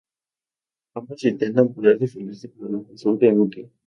Ambos intentan poder defenderse pero les resulta inútil.